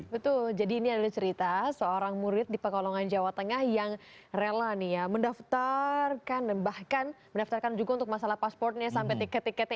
betul jadi ini adalah cerita seorang murid di pekalongan jawa tengah yang rela nih ya mendaftarkan dan bahkan mendaftarkan juga untuk masalah pasportnya sampai tiket tiketnya